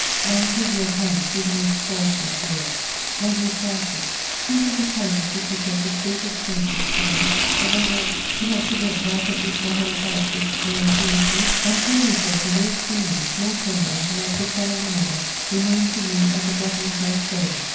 I have read your account through the most sorrowful tears. My dear Francis, think of the time at which you felt the greatest friendship for me; above all, do not forget that at which my whole heart was drawn towards you, and tell yourself that those feelings, more tender, more profound than ever, remain for you at the bottom of my soul.